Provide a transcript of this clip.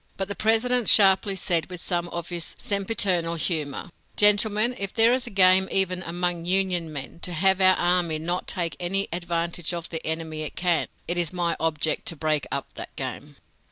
But the President sharply said with some of his sempiternal humor: "Gentlemen, if there is a game even among Union men, to have our army not take any advantage of the enemy it can, it is my object to break up that game!"